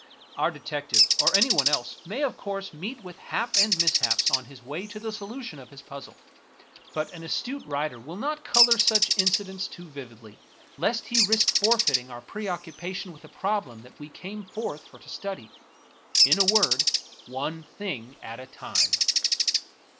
Our detective, or anyone else, may of course meet with haps and mishaps on his way to the solution of his puzzle ; but an astute writer will not II American Mystery Stories color such incidents too vividly, lest he risk forfeiting our preoccupation with the problem that we came forth for to study. In a word, One thing at a time